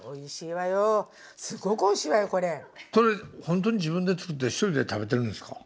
本当に自分で作って１人で食べてるんですか？